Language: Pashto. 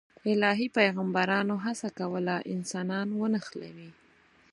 الهي پیغمبرانو هڅه کوله انسانان ونښلوي.